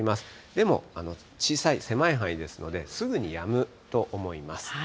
でも小さい、狭い範囲ですので、すぐにやむと思います。